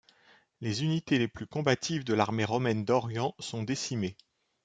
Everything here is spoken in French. Les unités les plus combatives de l'armée romaine d'Orient sont décimées.